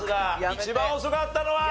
一番遅かったのは。